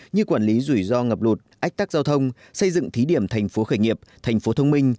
như quản lý rủi ro ngập lụt ách tắc giao thông xây dựng thí điểm thành phố khởi nghiệp thành phố thông minh